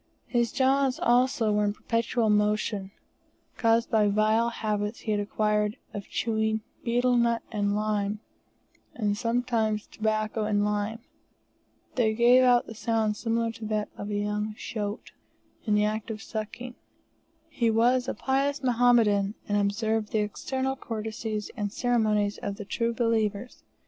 His jaws also were in perpetual motion, caused by vile habits he had acquired of chewing betel nut and lime, and sometimes tobacco and lime. They gave out a sound similar to that of a young shoat, in the act of sucking. He was a pious Mohammedan, and observed the external courtesies and ceremonies of the true believers.